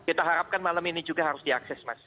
kita harapkan malam ini juga harus diakses mas